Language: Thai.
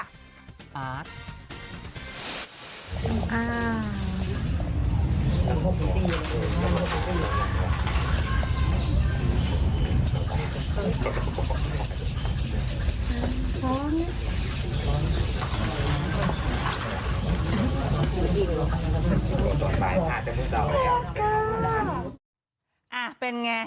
อ่ะเป็นไง